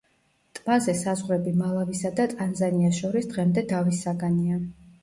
ტბაზე საზღვრები მალავისა და ტანზანიას შორის დღემდე დავის საგანია.